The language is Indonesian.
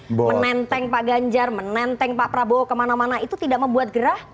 menenteng pak ganjar menenteng pak prabowo kemana mana itu tidak membuat gerah